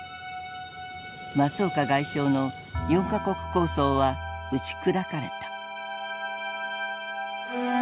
松岡外相の４か国構想は打ち砕かれた。